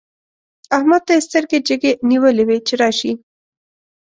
احمد ته يې سترګې جګې نيولې وې چې راشي.